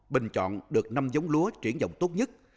bình chọn được năm giống lúa triển vọng tốt nhất